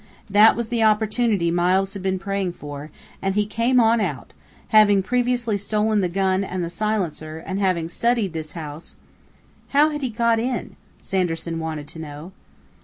That was the opportunity Miles had been praying for, and he came on out, having previously stolen the gun and silencer and having studied this house " "How had he got in?" Sanderson wanted to know.